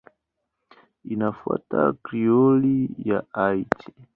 Inafuata Krioli ya Haiti.